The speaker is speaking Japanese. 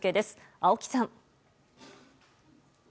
青木さん。